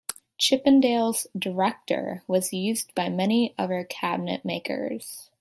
Chippendale's "Director" was used by many other cabinet makers.